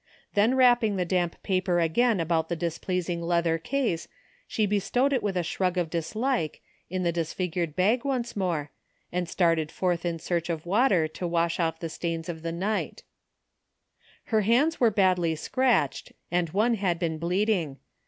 Then wrapping the damp paper again about the dis 42 THE FINDING OF JASPER HOLT pleasing leather case she bestowed it with a shrug of dislike, in the disfigured bag once more and started forth in search of water to wash off the stains of the night Her hands were badly scratched and one had been bleeding.